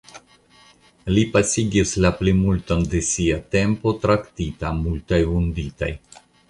Li pasigis la plimulton de sia tempo traktita multaj vunditaj.